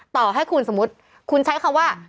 ต่อให้คุณสมมุติคุณใช้คำว่า